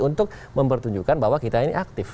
untuk mempertunjukkan bahwa kita ini aktif